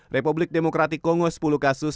republik demokratik kongo sepuluh kasus